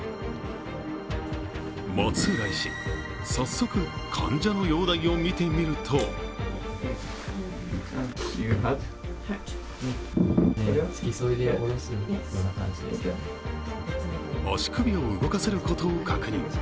松浦医師、早速患者の容体を診てみると足首を動かせることを確認。